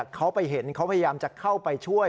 เขาไปเห็นเขาพยายามจะเข้าไปช่วย